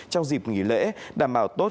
trong dịp nghỉ lễ đảm bảo tốt